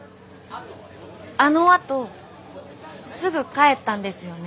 あのあとすぐ帰ったんですよね？